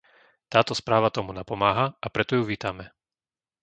Táto správa tomu napomáha a preto ju vítame.